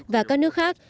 và các nước khác